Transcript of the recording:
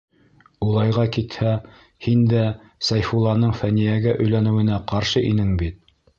Улайға китһә, һин дә Сәйфулланың Фәниәгә өйләнеүенә ҡаршы инең бит.